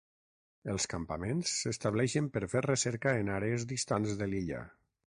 Els campaments s'estableixen per fer recerca en àrees distants de l'illa.